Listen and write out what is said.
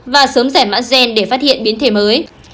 và sớm giải mã gen để phát hiện biến thể mới